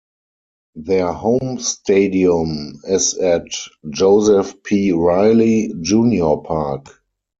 Their home stadium is at Joseph P. Riley, Junior Park.